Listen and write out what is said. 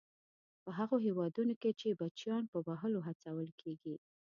په هغو هېوادونو کې چې بچیان په وهلو هڅول کیږي.